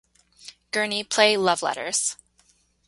Gurney play "Love Letters".